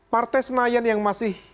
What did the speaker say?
partai senayan yang masih